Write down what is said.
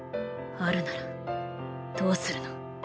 あるならどうするの？